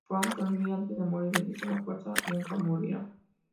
Roan sonrió y antes de morir le dijo: "la Fuerza nunca morirá".